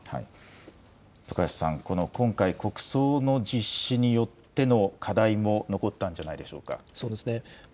徳橋さん、今回、国葬の実施によっての課題も残ったんじゃなそうですね。